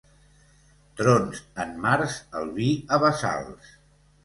Trons en març, el vi a bassals.